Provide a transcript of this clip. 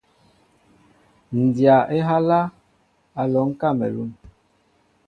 Ǹ dya á ehálā , Á alɔŋ kamelûn.